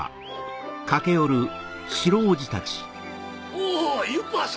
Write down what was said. おぉユパ様！